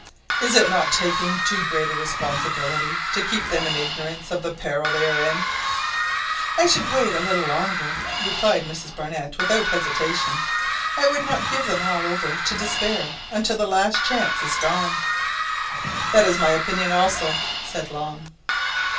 Is it not taking too great a responsibility to keep them in ignorance of the peril they are in?" "I should wait a little longer," replied Mrs Barnett without hesitation; "I would not give them all over to despair until the last chance is gone." "That is my opinion also," said Long.